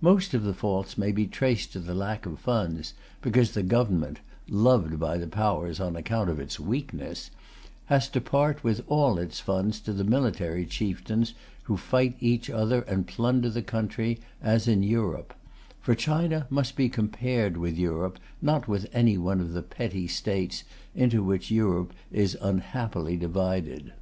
Most of the faults may be traced to the lack of funds, because the Government loved by the Powers on account of its weakness has to part with all its funds to the military chieftains who fight each other and plunder the country, as in Europe for China must be compared with Europe, not with any one of the petty States into which Europe is unhappily divided.